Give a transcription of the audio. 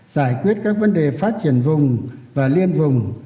giải quyết các vấn đề phát triển vùng và liên vùng